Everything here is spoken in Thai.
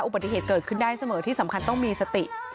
อุบัติเหตุเกิดขึ้นได้เสมอที่สำคัญต้องมีสติ